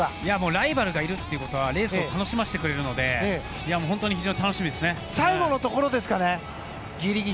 ライバルがいるということはレースを楽しませてくれるので本当に非常に楽しみです。